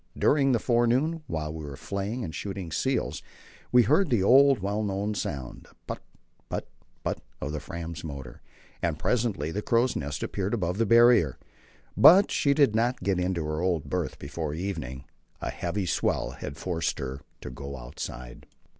During the forenoon, while we were flaying and shooting seals, we heard the old, well known sound put, put, put of the Fram's motor, and presently the crow's nest appeared above the Barrier. But she did not get into her old berth before evening. A heavy swell had forced her to go outside.